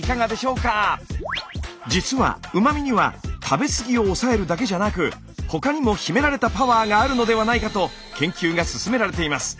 実はうま味には食べ過ぎを抑えるだけじゃなく他にも秘められたパワーがあるのではないかと研究が進められています。